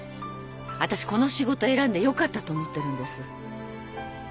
私この仕事選んでよかったと思ってるんです。